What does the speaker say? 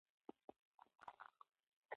دوی باید د هغې په اړه تحقیق کړی وای.